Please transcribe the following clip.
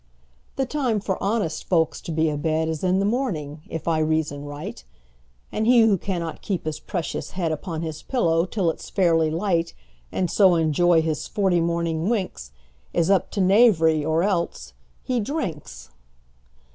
The time for honest folks to be a bedIs in the morning, if I reason right; And he who cannot keep his precious headUpon his pillow till it 's fairly light, And so enjoy his forty morning winks, Is up to knavery; or else—he drinks!